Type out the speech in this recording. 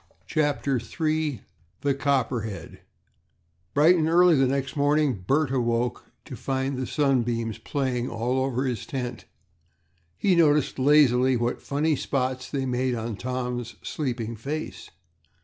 CHAPTER III THE COPPERHEAD Bright and early next morning Bert awoke to find the sunbeams playing all over his tent. He noticed lazily what funny spots they made on Tom's sleeping face.